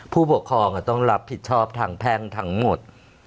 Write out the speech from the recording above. ผู้ปกครองต้องรับผิดชอบทางแพ่งทั้งหมด